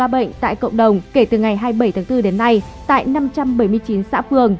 số ca bệnh tại cộng đồng kể từ ngày hai mươi bảy bốn đến nay tại năm trăm bảy mươi chín xã phường